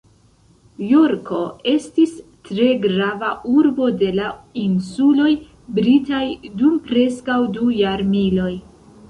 Jorko estis tre grava urbo de la insuloj britaj dum preskaŭ du jarmiloj.